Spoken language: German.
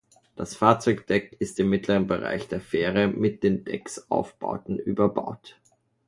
Das Fahrzeugdeck ist im mittleren Bereich der Fähre mit den Decksaufbauten überbaut.